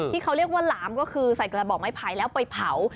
ที่เขาเรียกว่าหลามก็คือใส่กระบอกไม้ไผ่แล้วไปเผา